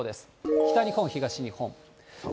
北日本、東日本。